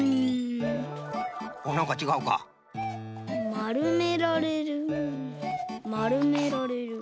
まるめられるまるめられる。